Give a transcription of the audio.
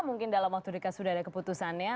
mungkin dalam waktu dekat sudah ada keputusannya